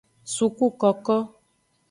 Sukukoko.